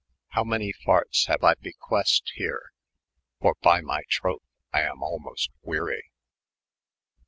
'. Howe many fartea haue I bequest here F For by my trouth I am almost wery."